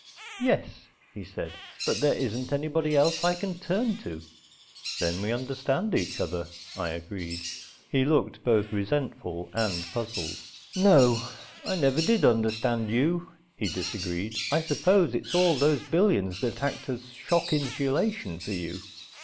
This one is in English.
"Yes," he said. "But there isn't anybody else I can turn to." "Then we understand each other," I agreed. He looked both resentful and puzzled. "No, I never did understand you," he disagreed. "I suppose it's all those billions that act as shock insulation for you.